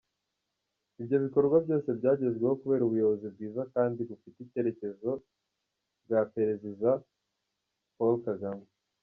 Ibyo bikorwa byose byagezweho kubera ubuyobozi bwiza kandi bufite icyerekezo bwa Pereziza Paul Kagame.